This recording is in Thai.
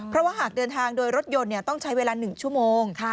เพราะว่าหากเดินทางโดยรถยนต์ต้องใช้เวลา๑ชั่วโมง